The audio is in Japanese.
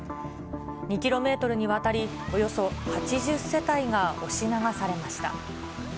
２キロメートルにわたり、およそ８０世帯が押し流されました。